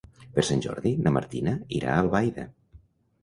Per Sant Jordi na Martina irà a Albaida.